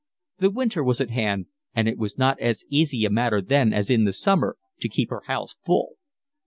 The winter was at hand, and it was not as easy a matter then as in the summer to keep her house full.